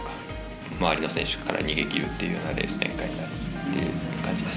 周りの選手から逃げきるようなレース展開になる感じです。